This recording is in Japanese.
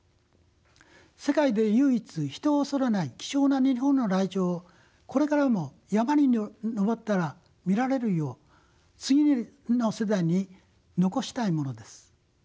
世界で唯一人を恐れない貴重な日本のライチョウをこれからも山に登ったら見られるよう次の世代に残したいものです。